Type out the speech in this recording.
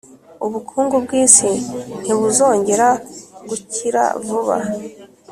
ubukungu bwisi ntibuzongera gukira vuba.